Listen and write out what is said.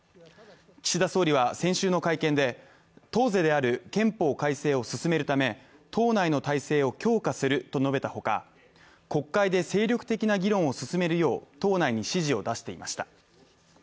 岸田総理は先週の会見で、党是である憲法改正を進めるために党内の体制を強化すると述べた他、国会で精力的な議論を進めるよう党内に指示を出していました。